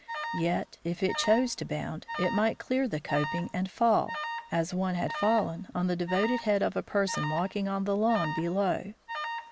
Yet, if it chose to bound, it might clear the coping and fall, as one had fallen, on the devoted head of a person walking on the lawn below.